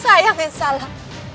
saya yang salah